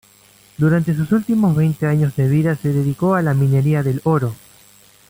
Durante sus últimos veinte años de vida se dedicó a la minería del oro.